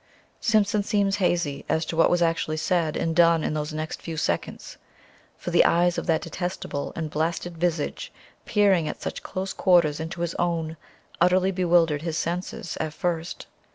Simpson seems hazy as to what was actually said and done in those next few seconds, for the eyes of that detestable and blasted visage peering at such close quarters into his own utterly bewildered his senses at first.